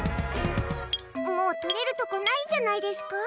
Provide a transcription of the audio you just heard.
もう、取れるとこないんじゃないですか。